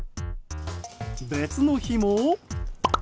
別の日も。